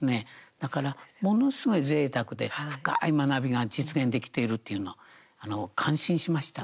だから、ものすごいぜいたくで深い学びが実現できているというのは感心しました。